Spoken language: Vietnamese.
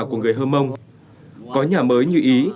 của người hơ mông có nhà mới như ý